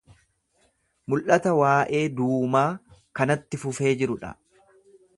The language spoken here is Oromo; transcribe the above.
Mul’ata waa’ee Duumaa kanatti fufee jiru dha.